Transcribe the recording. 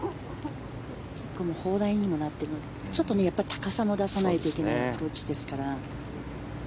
砲台にもなっているちょっと高さも出さないといけないアプローチですから。